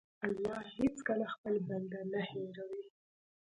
الله هېڅکله خپل بنده نه هېروي.